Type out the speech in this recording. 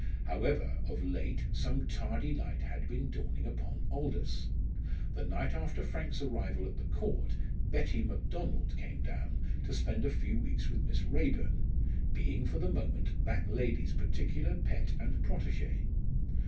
However, of late some tardy light had been dawning upon Aldous! The night after Frank's arrival at the Court Betty Macdonald came down to spend a few weeks with Miss Raeburn, being for the moment that lady's particular pet and protégée.